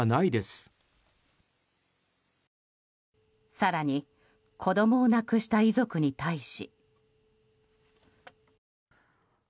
更に、子供を亡くした遺族に対し。